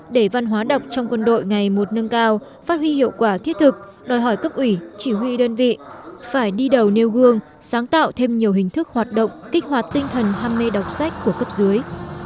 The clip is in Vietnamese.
để văn hóa đọc trong quân đội ngày một nâng cao phát huy hiệu quả thiết thực đòi hỏi cấp ủy chỉ huy đơn vị phải đi đầu nêu gương sáng tạo thêm nhiều hình thức hoạt động kích hoạt tinh thần ham mê đọc sách của cấp dưới